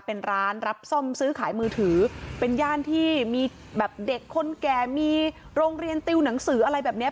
เป็นร้านรับซ่อมซื้อขายมือถือเป็นย่านที่มีแบบเด็กคนแก่มีโรงเรียนติวหนังสืออะไรแบบเนี้ย